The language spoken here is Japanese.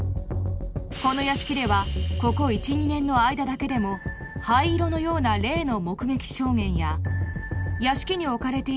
この屋敷ではここ１２年の間だけでも灰色のような霊の目撃証言や屋敷に置かれているコインが